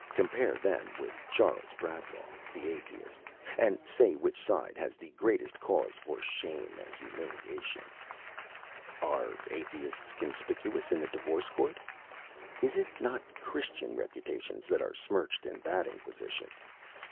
Compare them with Charles Bradlaugh, the Atheist, and say which side has the greatest cause for shame and humiliation. Are Atheists conspicuous in the Divorce Court? Is it not Christian reputations that are smirched in that Inquisition?